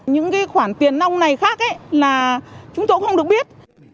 những khoản tiền nông này khác là chúng tôi cũng không được biết